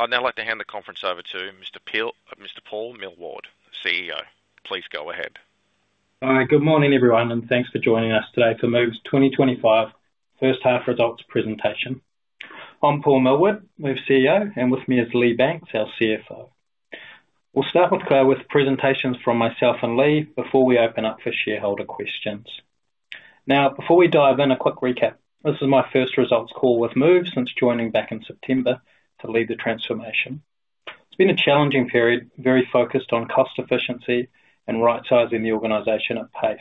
I'd now like to hand the conference over to Mr. Paul Millward, CEO. Please go ahead. Good morning, everyone, and thanks for joining us today for MOVE's 2025 First Half Results presentation. I'm Paul Millward, MOVE CEO, and with me is Lee Banks, our CFO. We'll start with presentations from myself and Lee before we open up for shareholder questions. Now, before we dive in, a quick recap. This is my first results call with MOVE since joining back in September to lead the transformation. It's been a challenging period, very focused on cost efficiency and right-sizing the organization at pace.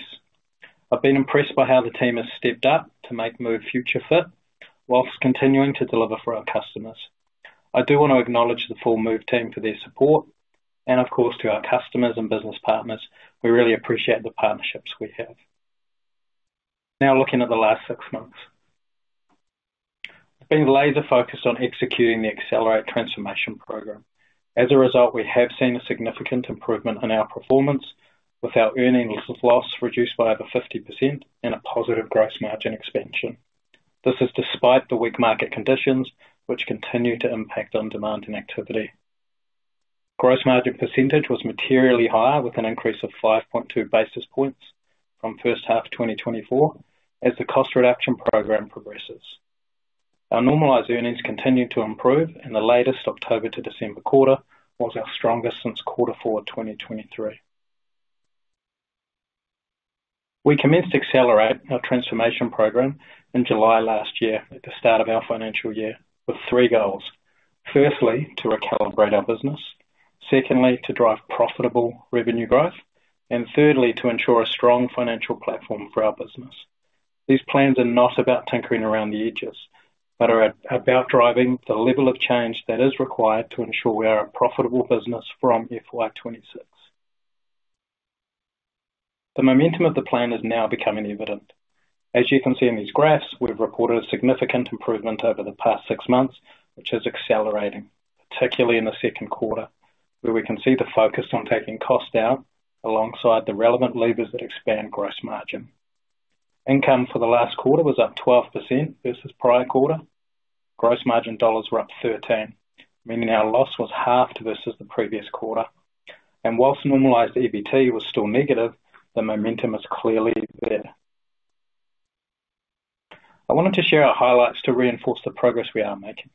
I've been impressed by how the team has stepped up to make MOVE future-fit whilst continuing to deliver for our customers. I do want to acknowledge the full MOVE team for their support, and of course, to our customers and business partners. We really appreciate the partnerships we have. Now, looking at the last six months, it's been laser-focused on executing the Accelerate transformation program. As a result, we have seen a significant improvement in our performance, with our earnings loss reduced by over 50% and a positive gross margin expansion. This is despite the weak market conditions, which continue to impact on demand and activity. Gross margin percentage was materially higher, with an increase of 5.2 basis points from first half 2024, as the cost reduction program progresses. Our normalized earnings continue to improve, and the latest October to December quarter was our strongest since quarter four 2023. We commenced to accelerate our transformation program in July last year at the start of our financial year, with three goals. Firstly, to recalibrate our business. Secondly, to drive profitable revenue growth. Thirdly, to ensure a strong financial platform for our business. These plans are not about tinkering around the edges, but are about driving the level of change that is required to ensure we are a profitable business from FY'26. The momentum of the plan is now becoming evident. As you can see in these graphs, we've reported a significant improvement over the past six months, which is accelerating, particularly in the second quarter, where we can see the focus on taking cost out alongside the relevant levers that expand gross margin. Income for the last quarter was up 12% versus prior quarter. Gross margin dollars were up 13%, meaning our loss was halved versus the previous quarter. Whilst normalized EBT was still negative, the momentum is clearly there. I wanted to share our highlights to reinforce the progress we are making.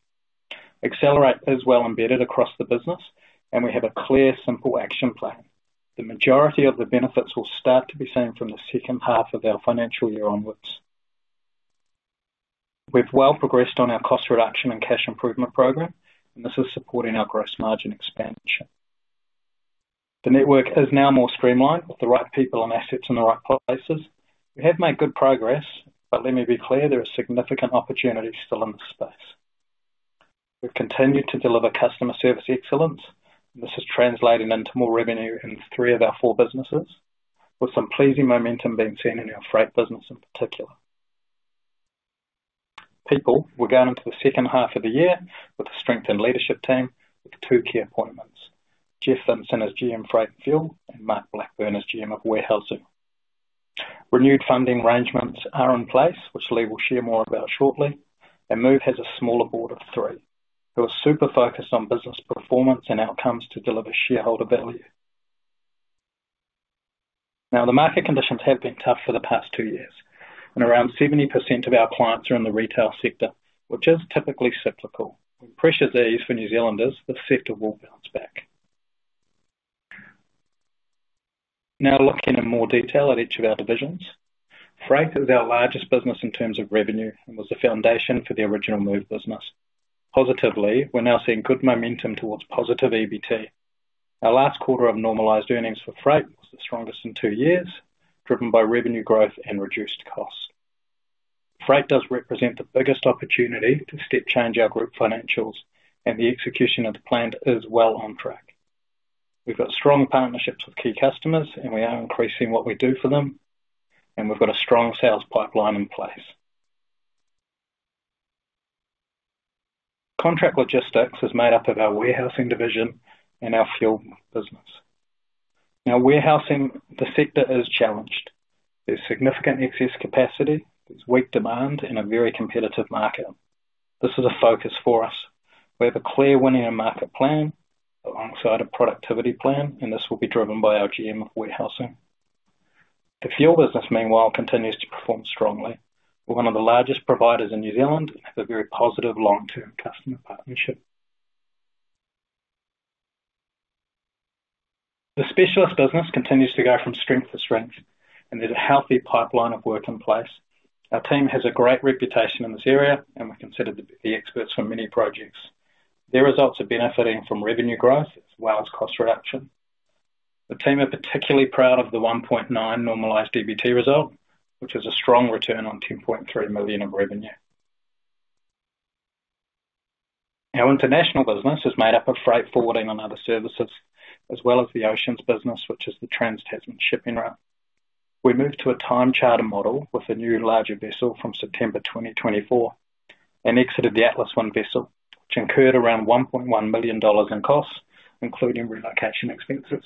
Accelerate is well embedded across the business, and we have a clear, simple action plan. The majority of the benefits will start to be seen from the second half of our financial year onwards. We've well progressed on our cost reduction and cash improvement program, and this is supporting our gross margin expansion. The network is now more streamlined with the right people and assets in the right places. We have made good progress, but let me be clear, there are significant opportunities still in the space. We've continued to deliver customer service excellence, and this is translating into more revenue in three of our four businesses, with some pleasing momentum being seen in our freight business in particular. People, we're going into the second half of the year with a strengthened leadership team with two key appointments: Jeff Thompson as GM Freight and Fuel and Mark Blackburn as GM of Warehousing. Renewed funding arrangements are in place, which Lee will share more about shortly. MOVE has a smaller board of three, who are super focused on business performance and outcomes to deliver shareholder value. The market conditions have been tough for the past two years, and around 70% of our clients are in the retail sector, which is typically cyclical. When pressure's eased for New Zealanders, the sector will bounce back. Looking in more detail at each of our divisions, freight is our largest business in terms of revenue and was the foundation for the original MOVE business. Positively, we're now seeing good momentum towards positive EBT. Our last quarter of normalized earnings for freight was the strongest in two years, driven by revenue growth and reduced costs. Freight does represent the biggest opportunity to step change our group financials, and the execution of the plan is well on track. We've got strong partnerships with key customers, and we are increasing what we do for them, and we've got a strong sales pipeline in place. Contract logistics is made up of our warehousing division and our fuel business. Now, warehousing, the sector is challenged. There's significant excess capacity. There's weak demand in a very competitive market. This is a focus for us. We have a clear winning market plan alongside a productivity plan, and this will be driven by our GM of Warehousing. The fuel business, meanwhile, continues to perform strongly. We're one of the largest providers in New Zealand and have a very positive long-term customer partnership. The specialist business continues to go from strength to strength, and there's a healthy pipeline of work in place. Our team has a great reputation in this area, and we're considered the experts for many projects. Their results are benefiting from revenue growth as well as cost reduction. The team are particularly proud of the $1.9 million normalized EBT result, which is a strong return on $10.3 million of revenue. Our international business is made up of freight forwarding and other services, as well as the oceans business, which is the trans-Tasman shipping route. We moved to a time charter model with a new larger vessel from September 2024 and exited the Atlas Wind vessel, which incurred around $1.1 million in costs, including relocation expenses.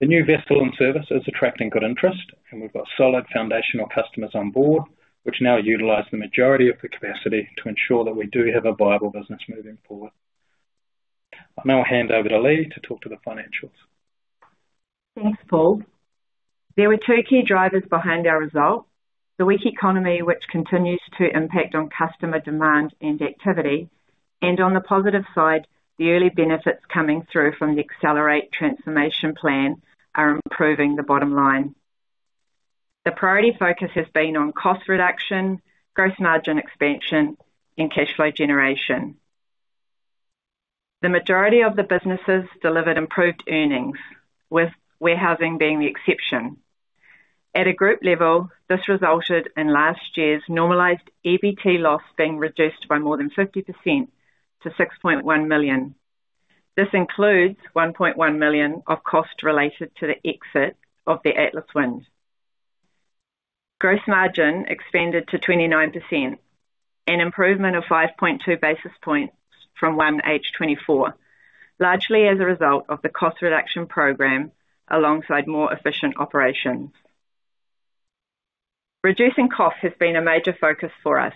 The new vessel and service is attracting good interest, and we've got solid foundational customers on board, which now utilize the majority of the capacity to ensure that we do have a viable business moving forward. I'll now hand over to Lee to talk to the financials. Thanks, Paul. There were two key drivers behind our result: the weak economy, which continues to impact on customer demand and activity, and on the positive side, the early benefits coming through from the Accelerate transformation program are improving the bottom line. The priority focus has been on cost reduction, gross margin expansion, and cash flow generation. The majority of the businesses delivered improved earnings, with warehousing being the exception. At a group level, this resulted in last year's normalized EBT loss being reduced by more than 50% to $6.1 million. This includes $1.1 million of costs related to the exit of the Atlas Wind. Gross margin expanded to 29%, an improvement of 5.2 basis points from 1H24, largely as a result of the cost reduction program alongside more efficient operations. Reducing costs has been a major focus for us.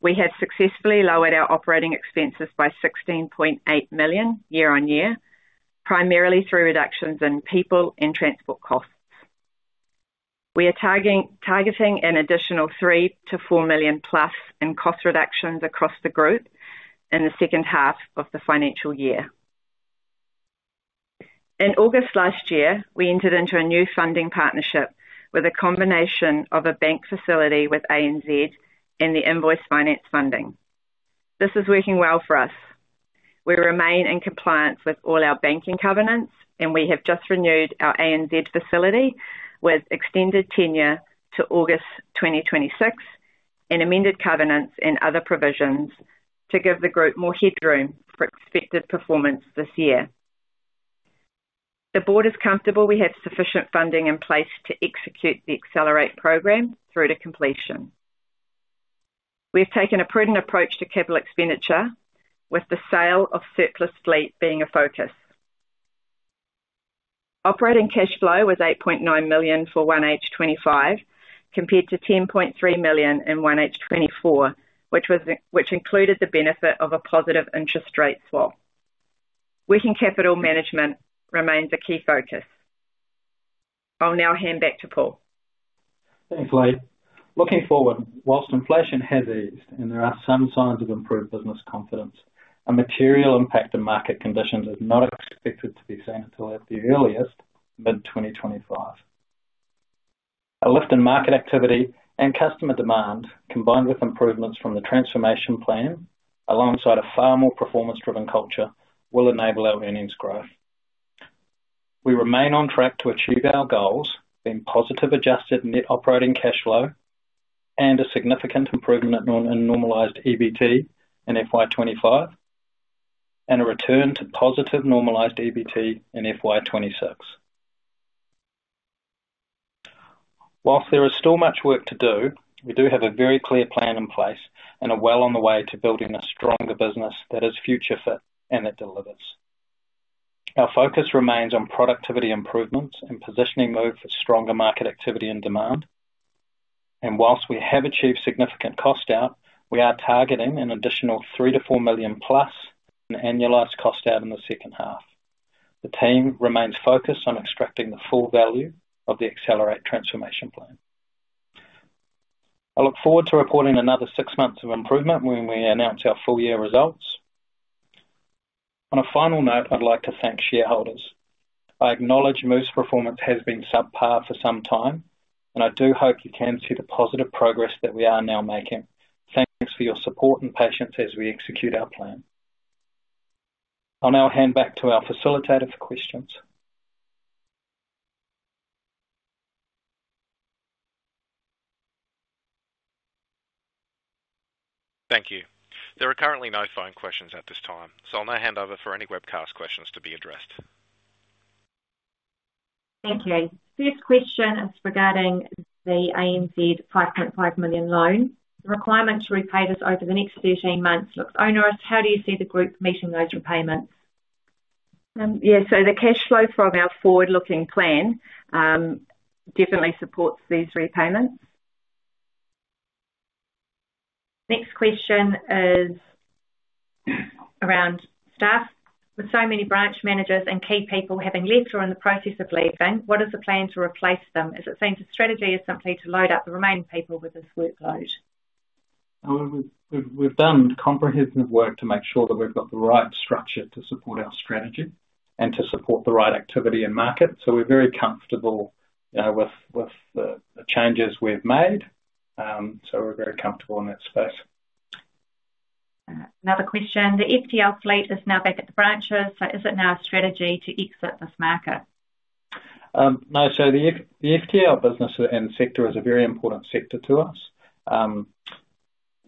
We have successfully lowered our operating expenses by $16.8 million year on year, primarily through reductions in people and transport costs. We are targeting an additional $3 million-$4 million plus in cost reductions across the group in the second half of the financial year. In August last year, we entered into a new funding partnership with a combination of a bank facility with ANZ and the invoice finance funding. This is working well for us. We remain in compliance with all our banking covenants, and we have just renewed our ANZ facility with extended tenure to August 2026 and amended covenants and other provisions to give the group more headroom for expected performance this year. The board is comfortable we have sufficient funding in place to execute the Accelerate transformation program through to completion. We've taken a prudent approach to capital expenditure, with the sale of surplus fleet being a focus. Operating cash flow was $8.9 million for 1H25, compared to $10.3 million in 1H24, which included the benefit of a positive interest rate swap. Working capital management remains a key focus. I'll now hand back to Paul. Thanks, Lee. Looking forward, whilst inflation has eased and there are some signs of improved business confidence, a material impact in market conditions is not expected to be seen until at the earliest, mid-2025. A lift in market activity and customer demand, combined with improvements from the transformation plan alongside a far more performance-driven culture, will enable our earnings growth. We remain on track to achieve our goals in positive adjusted net operating cash flow and a significant improvement in normalized EBT in FY25 and a return to positive normalized EBT in FY26. Whilst there is still much work to do, we do have a very clear plan in place and are well on the way to building a stronger business that is future-fit and that delivers. Our focus remains on productivity improvements and positioning MOVE for stronger market activity and demand. Whilst we have achieved significant cost out, we are targeting an additional $3 million-$4 million plus in annualized cost out in the second half. The team remains focused on extracting the full value of the Accelerate transformation program. I look forward to reporting another six months of improvement when we announce our full year results. On a final note, I would like to thank shareholders. I acknowledge MOVE's performance has been subpar for some time, and I do hope you can see the positive progress that we are now making. Thanks for your support and patience as we execute our plan. I will now hand back to our facilitator for questions. Thank you. There are currently no phone questions at this time, so I'll now hand over for any webcast questions to be addressed. Thank you. First question is regarding the ANZ $5.5 million loan. The requirement to repay this over the next 13 months looks onerous. How do you see the group meeting those repayments? Yeah, so the cash flow from our forward-looking plan definitely supports these repayments. Next question is around staff. With so many branch managers and key people having left or in the process of leaving, what is the plan to replace them? As it seems, the strategy is simply to load up the remaining people with this workload. We've done comprehensive work to make sure that we've got the right structure to support our strategy and to support the right activity and market. We're very comfortable with the changes we've made. We're very comfortable in that space. Another question. The FTL fleet is now back at the branches. Is it now a strategy to exit this market? No, so the FTL business and sector is a very important sector to us.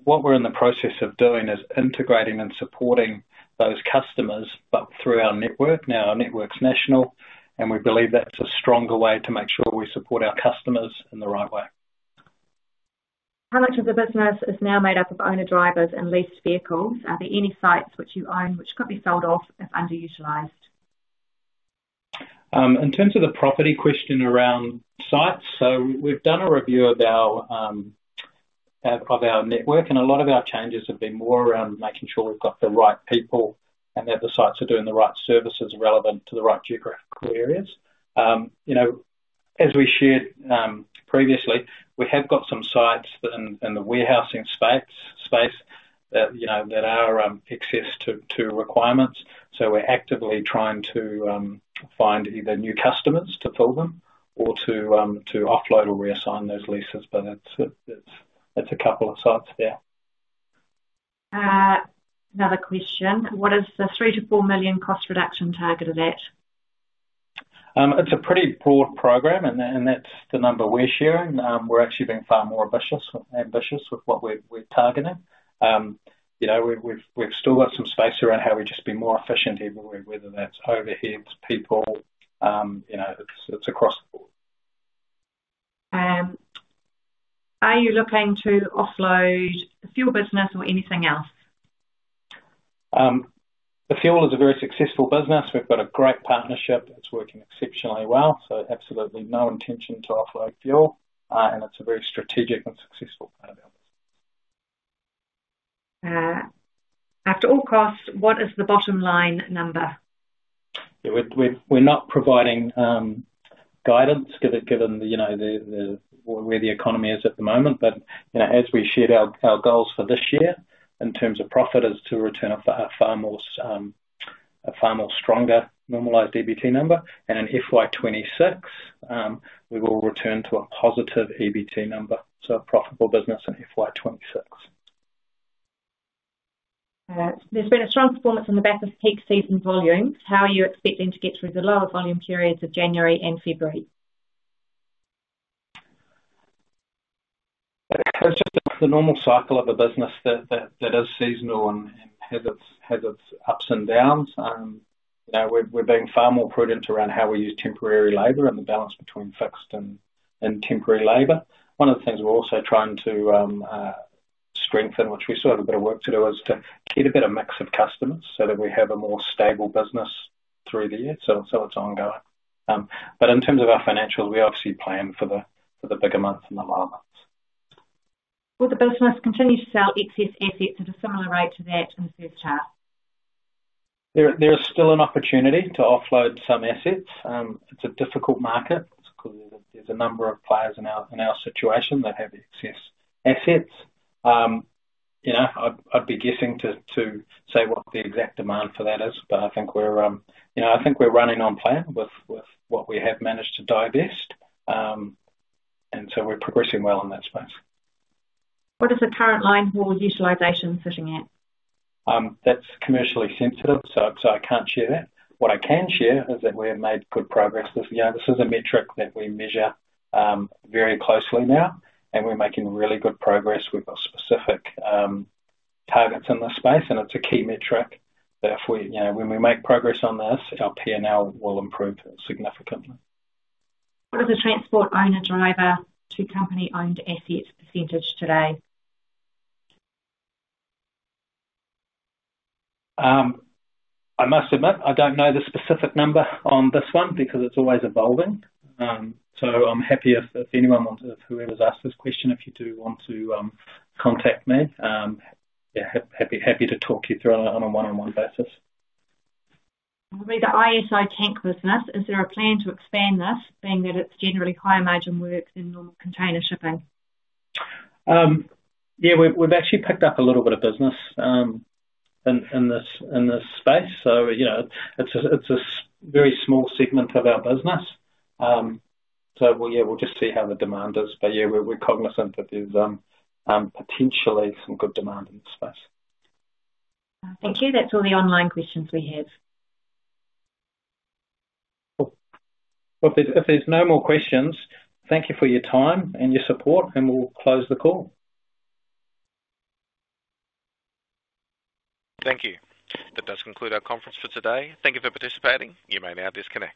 What we're in the process of doing is integrating and supporting those customers, but through our network. Now, our network's national, and we believe that's a stronger way to make sure we support our customers in the right way. How much of the business is now made up of owner drivers and leased vehicles? Are there any sites which you own which could be sold off if underutilized? In terms of the property question around sites, we have done a review of our network, and a lot of our changes have been more around making sure we have got the right people and that the sites are doing the right services relevant to the right geographical areas. As we shared previously, we have got some sites in the warehousing space that are excess to requirements. We are actively trying to find either new customers to fill them or to offload or reassign those leases, but it is a couple of sites there. Another question. What is the $3 million-$4 million cost reduction targeted at? It's a pretty broad program, and that's the number we're sharing. We're actually being far more ambitious with what we're targeting. We've still got some space around how we just be more efficient everywhere, whether that's overheads, people. It's across the board. Are you looking to offload the fuel business or anything else? The fuel is a very successful business. We've got a great partnership. It's working exceptionally well. Absolutely no intention to offload fuel, and it's a very strategic and successful part of our business. After all costs, what is the bottom line number? We're not providing guidance given where the economy is at the moment, but as we shared our goals for this year, in terms of profit, is to return a far more stronger normalized EBT number. In FY2026, we will return to a positive EBT number. A profitable business in FY2026. There's been a strong performance on the back of peak season volumes. How are you expecting to get through the lower volume periods of January and February? It's just the normal cycle of a business that is seasonal and has its ups and downs. We're being far more prudent around how we use temporary labor and the balance between fixed and temporary labor. One of the things we're also trying to strengthen, which we still have a bit of work to do, is to get a better mix of customers so that we have a more stable business through the year. It is ongoing. In terms of our financials, we obviously plan for the bigger months and the lower months. Will the business continue to sell excess assets at a similar rate to that in the first half? There is still an opportunity to offload some assets. It's a difficult market because there's a number of players in our situation that have excess assets. I'd be guessing to say what the exact demand for that is, but I think we're running on plan with what we have managed to divest. We're progressing well in that space. What is the current linehaul utilization sitting at? That's commercially sensitive, so I can't share that. What I can share is that we have made good progress. This is a metric that we measure very closely now, and we're making really good progress. We've got specific targets in this space, and it's a key metric that when we make progress on this, our P&L will improve significantly. What is the transport owner driver to company-owned assets percentage today? I must admit, I don't know the specific number on this one because it's always evolving. I'm happy if anyone wants to, if whoever's asked this question, if you do want to contact me, happy to talk you through on a one-on-one basis. The ISO tank business, is there a plan to expand this, being that it's generally higher margin work than normal container shipping? Yeah, we've actually picked up a little bit of business in this space. It is a very small segment of our business. We'll just see how the demand is. We're cognizant that there's potentially some good demand in this space. Thank you. That's all the online questions we have. If there's no more questions, thank you for your time and your support, and we'll close the call. Thank you. That does conclude our conference for today. Thank you for participating. You may now disconnect.